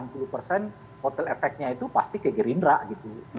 total efeknya itu pasti ke gerindra gitu